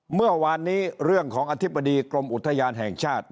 เมื่อวานนี้เรื่องของอธิบดีกรมอุทยานแห่งชาติ